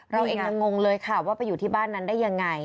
เราเองยังงงเลยค่ะว่าไปอยู่ที่บ้านนั้นได้ยังไง